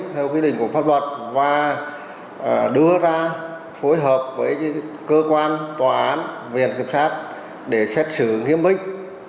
theo quy định của pháp luật và đưa ra phối hợp với cơ quan tòa án viện kiểm sát để xét xử nghiêm minh